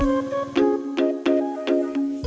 membawa dagangannya ke berbagai wilayah di jabodetabek